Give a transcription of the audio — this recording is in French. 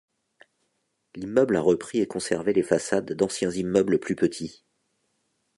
L'immeuble a repris et conservé les façades d'anciens immeubles plus petits.